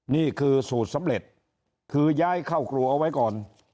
นี่คือสูตรสำเร็จคือย้ายเข้าครัวเอาไว้ก่อน